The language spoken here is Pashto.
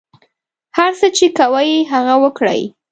هر څه چې کوئ هغه وکړئ.